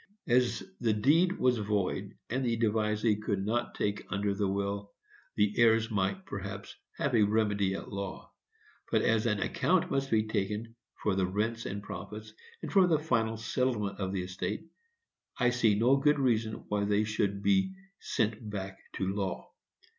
As the deed was void, and the devisee could not take under the will, the heirs might, perhaps, have had a remedy at law; but, as an account must be taken for the rents and profits, and for the final settlement of the estate, I see no good reason why they should be sent back to law.